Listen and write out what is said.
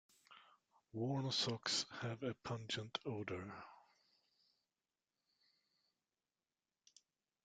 Worn socks have a pungent odour.